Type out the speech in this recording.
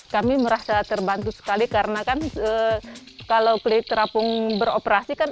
kami merasa terbantu sekali karena kan kalau kulit terapung beroperasi kan